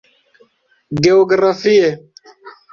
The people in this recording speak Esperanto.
Geografie: